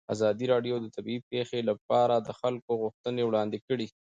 ازادي راډیو د طبیعي پېښې لپاره د خلکو غوښتنې وړاندې کړي.